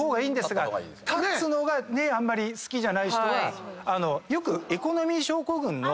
立つのがあんまり好きじゃない人は。